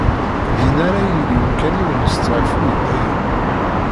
Dinna ara yili umkan-iw n usteɛfu i dayem.